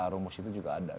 rumus itu juga ada